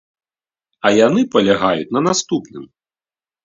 А яны палягаюць на наступным.